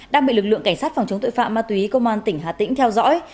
đang bị lực lượng cảnh sát phòng chống tội phạm ma túy công an tỉnh hà tĩnh theo dõi